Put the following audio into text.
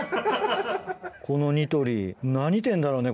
このニトリ何店だろうね？